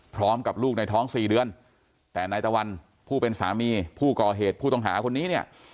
พร้อมกับลูกในท้องสี่เดือนแต่นายตะวันผู้เป็นสามีผู้ก่อเหตุผู้ต้องหาคนนี้เนี่ย